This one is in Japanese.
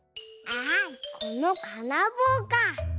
あこのかなぼうか。